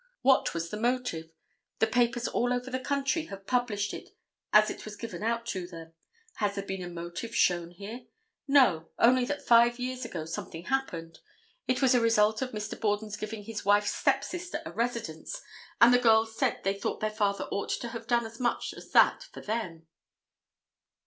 What was the motive? The papers all over the country have published it as it was given out to them. Has there been a motive shown here? No, only that five years ago something happened. It was as a result of Mr. Borden's giving his wife's stepsister a residence, and the girls said they thought their father ought to have done as much as that for them.